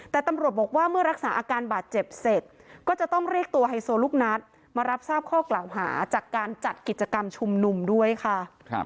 แต่ตำรวจบอกว่าเมื่อรักษาอาการบาดเจ็บเสร็จก็จะต้องเรียกตัวไฮโซลูกนัดมารับทราบข้อกล่าวหาจากการจัดกิจกรรมชุมนุมด้วยค่ะ